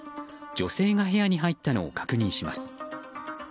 女性が部屋に入ったのを確認します。